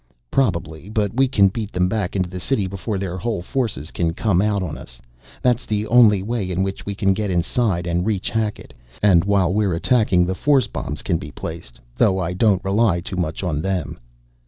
"Probably, but we can beat them back into the city before their whole forces can come out on us. That's the only way in which we can get inside and reach Hackett. And while we're attacking the force bombs can be placed, though I don't rely too much on them."